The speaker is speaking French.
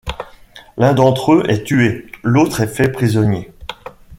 L'un d'entre-eux est tué, l'autre est fait prisonnier.